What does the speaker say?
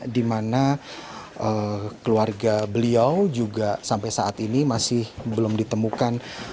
di mana keluarga beliau juga sampai saat ini masih belum ditemukan